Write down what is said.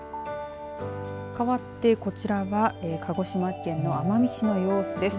かわってこちらは鹿児島県の奄美市の様子です。